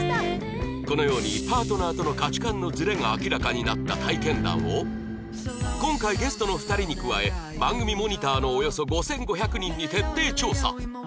このようにパートナーとの価値観のズレが明らかになった体験談を今回ゲストの２人に加え番組モニターのおよそ５５００人に徹底調査